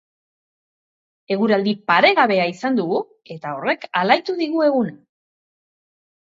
Eguraldi paregabea izan dugu eta horrek alaitu digu eguna.